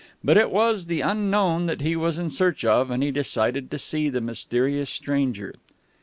But it was the unknown that he was in search of, and he decided to see the mysterious stranger.